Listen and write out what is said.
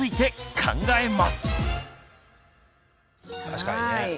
確かにね。